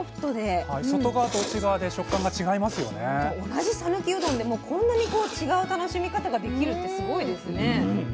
同じ讃岐うどんでもこんなに違う楽しみ方ができるってすごいですね。